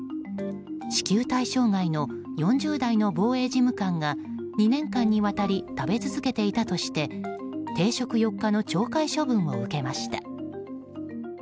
支給対象外の４０代の防衛事務官が２年間にわたり食べ続けていたとして停職４日の懲戒処分を受けました。